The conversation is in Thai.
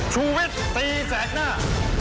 ชุวิตตีแสกหน้า